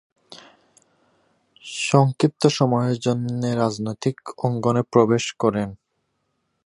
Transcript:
সংক্ষিপ্ত সময়ের জন্যে রাজনৈতিক অঙ্গনে প্রবেশ করেন।